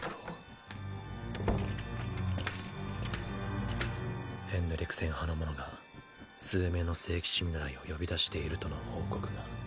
・ガチャバタンヘンドリクセン派の者が数名の聖騎士見習いを呼び出しているとの報告が。